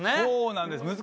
そうなんです。